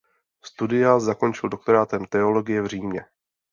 Studia zakončil doktorátem teologie v Římě.